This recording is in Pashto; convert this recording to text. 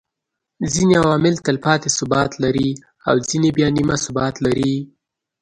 ځيني عوامل تلپاتي ثبات لري او ځيني بيا نيمه ثبات لري